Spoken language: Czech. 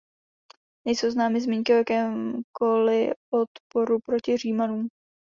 Nejsou známy zmínky o jakémkoliv odporu proti Římanům.